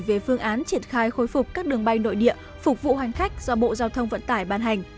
về phương án triển khai khôi phục các đường bay nội địa phục vụ hành khách do bộ giao thông vận tải ban hành